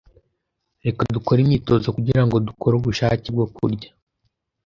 Reka dukore imyitozo kugirango dukore ubushake bwo kurya.